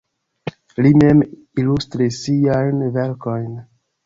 Li mem ilustris siajn verkojn.